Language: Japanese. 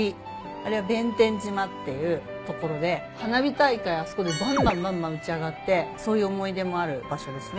あれは弁天島っていう所で花火大会あそこでばんばんばんばん打ち上がってそういう思い出もある場所ですね。